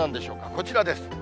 こちらです。